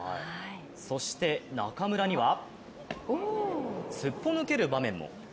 そして中村にはすっぽ抜ける場面も。